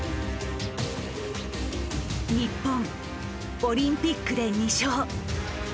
日本オリンピックで２勝。